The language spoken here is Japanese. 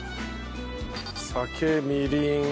酒みりん。